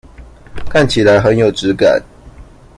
看起來很有質感